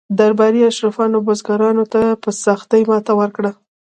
درباري اشرافو بزګرانو ته په سختۍ ماته ورکړه.